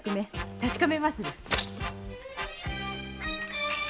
確かめまする。